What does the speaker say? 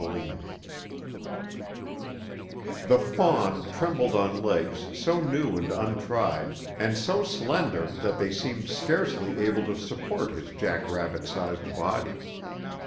chapter 2 The fawn trembled on legs so new and untried, and so slender that they seemed scarcely able to support his jack rabbit sized body.